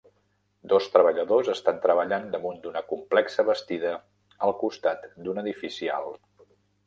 Dos treballadors estan treballant damunt d'una complexa bastida al costat d'un edifici alt